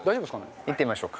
いってみましょうか。